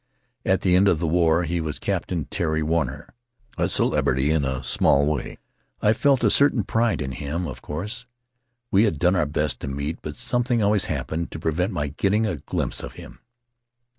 At the end of the war he was Captain Terry Warner, a celebrity in a small way. ... I felt a certain pride in him, of course. We had done our best to meet, but something always happened to prevent my getting a glimpse of him.